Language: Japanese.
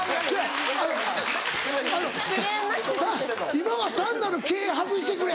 今は単なる「け」外してくれ！